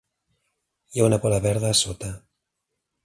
Hi ha una bola verda a sota.